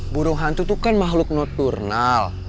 burung hantu itu kan makhluk nokturnal